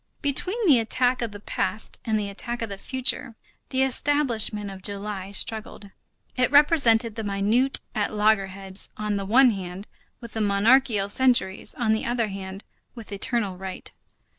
Between the attack of the past and the attack of the future, the establishment of July struggled. It represented the minute at loggerheads on the one hand with the monarchical centuries, on the other hand with eternal right.